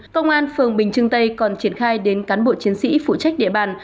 công an phường bình trưng tây còn triển khai đến cán bộ chiến sĩ phụ trách địa bàn